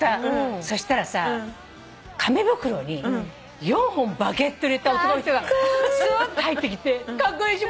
そしたらさ紙袋に４本バゲット入れた男の人がすーっと入ってきてカッコイイし